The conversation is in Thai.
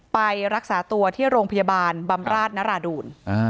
ไปรักษาตัวที่โรงพยาบาลบำราชนราดูล